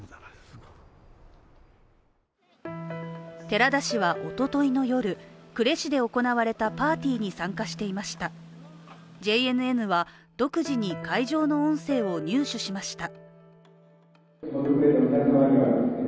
寺田氏はおとといの夜呉市で行われたパーティーに参加していましたＪＮＮは独自に会場の音声を入手しました。